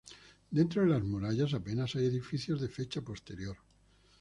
Dentro de las murallas apenas hay edificios de fecha posterior.